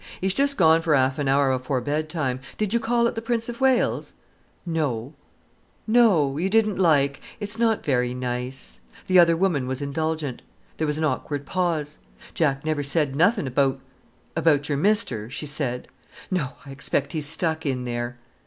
'E's just gone for 'alf an hour afore bedtime. Did you call at the 'Prince of Wales'?" "No——" "No, you didn't like——! It's not very nice." The other woman was indulgent. There was an awkward pause. "Jack never said nothink about—about your Mester," she said. "No!—I expect he's stuck in there!"